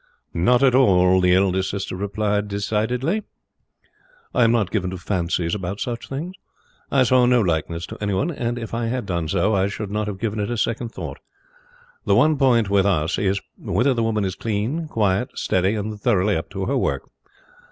"Not at all," the elder sister replied decidedly. "I am not given to fancies about such things. I saw no likeness to any one, and if I had done so I should not have given it a second thought. The one point with us is whether the woman is clean, quiet, steady, and thoroughly up to her work.